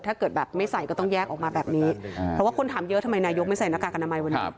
ถ้าเกิดแบบไม่ใส่ก็ต้องแยกออกมาแบบนี้เพราะว่าคนถามเยอะทำไมนายกไม่ใส่หน้ากากอนามัยวันนี้